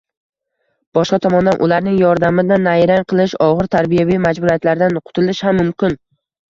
boshqa tomondan ularning yordamida nayrang qilish, og‘ir tarbiyaviy majburiyatlardan qutulish ham mumkin.